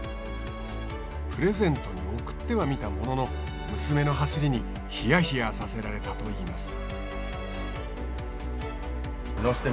プレゼントに贈ってはみたものの娘の走りにひやひやさせられたといいます。